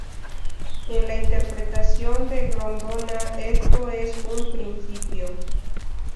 En la interpretación de Grondona esto es un principio.